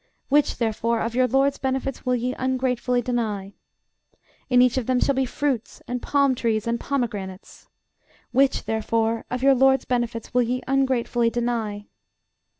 Which, therefore, of your LORD'S benefits will ye ungratefully deny? In each of them shall be fruits, and palm trees, and pomegranates. Which, therefore, of your LORD'S benefits will ye ungratefully deny?